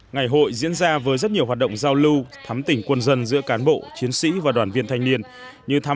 ngày hội diễn ra với rất nhiều hoạt động giao lưu thắm tỉnh quân dân giữa cán bộ chiến sĩ và đoàn viên thanh niên